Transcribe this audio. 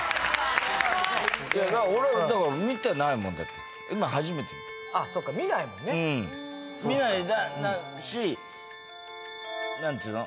俺はだから見てないもんだって今初めて見たあっそっか見ないもんね何ていうの？